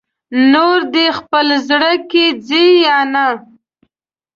نور دې خپل زړه که ځې یا نه